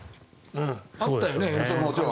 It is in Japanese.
あったよね？